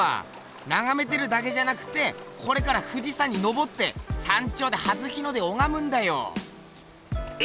ながめてるだけじゃなくてこれから富士山に登って山頂で初日の出おがむんだよ。え！